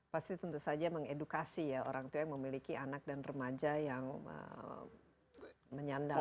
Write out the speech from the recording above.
pasti tentu saja mengedukasi ya orang tua yang memiliki anak dan remaja yang menyandang